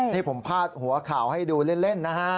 นี่ผมพาดหัวข่าวให้ดูเล่นนะฮะ